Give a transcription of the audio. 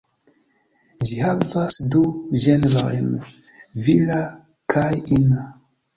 Ĝi havas du genrojn: vira kaj ina.